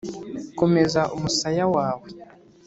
komeza umusaya wawe